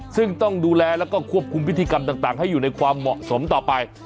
ซึ่งต้องดูแลแล้วก็ควบคุมพิธีกรรมต่างให้อยู่ในความเหมาะสมต่อไป